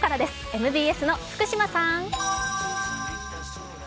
ＭＢＳの福島さん。